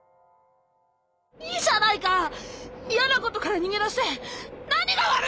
いいじゃないかいやなことから逃げ出して何が悪いんだよ。